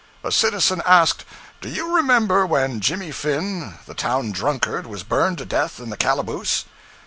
A citizen asked, 'Do you remember when Jimmy Finn, the town drunkard, was burned to death in the calaboose?'